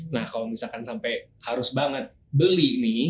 nah kalau misalkan sampai harus banget beli nih